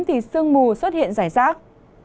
thì sương mù xuất hiện rải rác